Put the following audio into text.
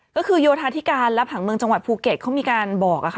ก็คือโยธาธิการและผังเมืองจังหวัดภูเก็ตเขามีการบอกค่ะ